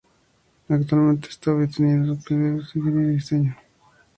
Actualmente está obteniendo su PhD en Ingeniería de Diseño, en el Imperial College London.